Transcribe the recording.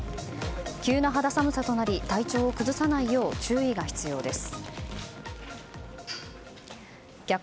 急な肌寒さとなり体調を崩さないよう注意が必要です。